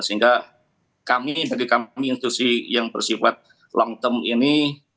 sehingga kami bagi kami institusi yang bersifat long term ini